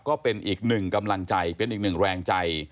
ก็เป็นอีกหนึ่งกำลังใจเป็นอีกหนึ่งแรงใจ